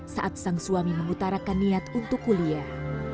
saat sang suami mengutarakan niat untuk kuliah